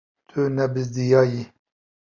Tu nebizdiyayî.